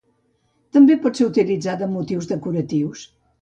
També pot ser utilitzada amb motius decoratius.